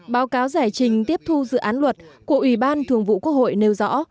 báo cáo giải trình tiếp thu dự án luật của ủy ban thường vụ quốc hội nêu rõ